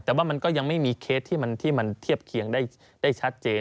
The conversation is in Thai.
แต่ว่ามันก็ยังไม่มีเคสที่มันเทียบเคียงได้ชัดเจน